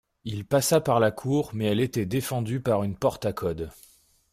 Il passa par la cour mais elle était défendue par une porte à code.